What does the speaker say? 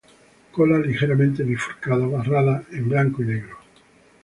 Cola ligeramente bifurcada, barrada en blanco y negro.